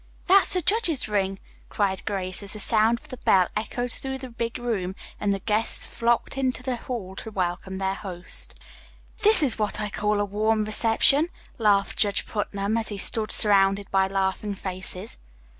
"That's the judge's ring," cried Grace as the sound of the bell echoed through the big room, and the guests flocked into the hall to welcome their host. "This is what I call a warm reception," laughed Judge Putnam, as he stood surrounded by laughing faces.